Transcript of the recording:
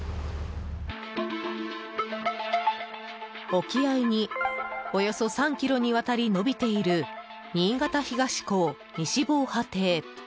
沖合に、およそ３ｋｍにわたり延びている新潟東港西防波堤。